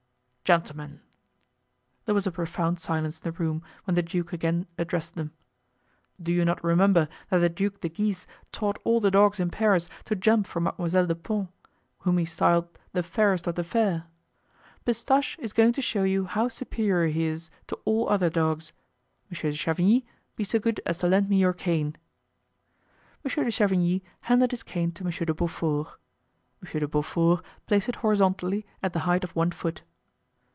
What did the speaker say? "Gentlemen!"—there was a profound silence in the room when the duke again addressed them—"do you not remember that the Duc de Guise taught all the dogs in Paris to jump for Mademoiselle de Pons, whom he styled 'the fairest of the fair?' Pistache is going to show you how superior he is to all other dogs. Monsieur de Chavigny, be so good as to lend me your cane." Monsieur de Chavigny handed his cane to Monsieur de Beaufort. Monsieur de Beaufort placed it horizontally at the height of one foot.